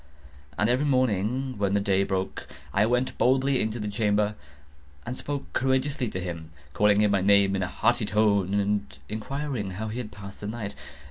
And every morning, when the day broke, I went boldly into the chamber, and spoke courageously to him, calling him by name in a hearty tone, and inquiring how he has passed the night.